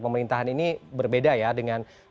pemerintahan ini berbeda ya dengan